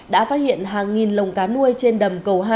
đã phát hiện hàng nghìn lồng cá nuôi trên đầm cầu hai